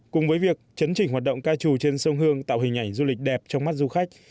cùng với việc chấn chỉnh hoạt động ca trù trên sông hương tạo hình ảnh du lịch đẹp trong mắt du khách